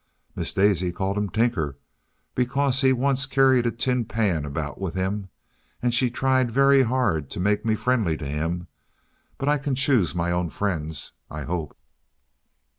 Miss Daisy called him Tinker, because he once carried a tin pan about with him, and she tried very hard to make me friendly to him; but I can choose my own friends, I hope.